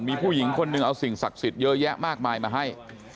มีผู้หญิงคนหนึ่งเอาสิ่งศักดิ์สิทธิ์เยอะแยะมากมายมาให้